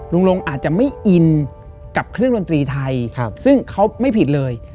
ลงอาจจะไม่อินกับเครื่องดนตรีไทยซึ่งเขาไม่ผิดเลย